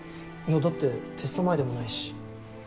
だってテスト前でもないし。